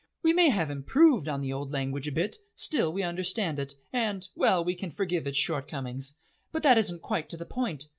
"We may have improved on the old language a bit, still we understand it, and well, we can forgive its shortcomings. But that isn't quite to the point."